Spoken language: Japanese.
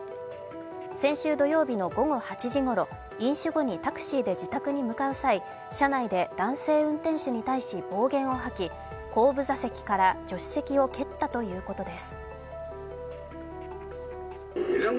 先週土曜日の午後８時ごろ、飲酒後にタクシーで自宅に向かう際車内で男性運転手に対し暴言を吐き後部座席から助手席を蹴ったということです。